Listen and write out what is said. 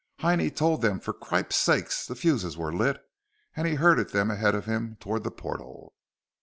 Heinie told them for cripes sake the fuses were lit, and he herded them ahead of him toward the portal.